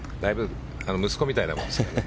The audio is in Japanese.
息子みたいなものですけどね。